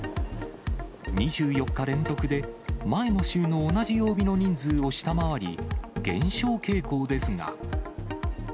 ２４日連続で、前の週の同じ曜日の人数を下回り、減少傾向ですが。